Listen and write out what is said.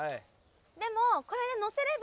でもこれで乗せれば。